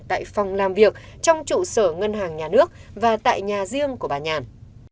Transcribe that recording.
tại phòng làm việc trong trụ sở ngân hàng nhà nước và tại nhà riêng của bà nhàn